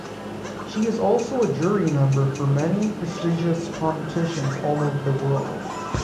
She is also a jury member for many prestigious competitions all over the world.